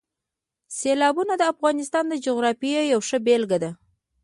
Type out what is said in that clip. سیلابونه د افغانستان د جغرافیې یوه ښه بېلګه ده.